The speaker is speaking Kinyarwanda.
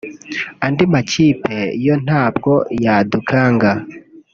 andi makipe yo ntabwo yadukanga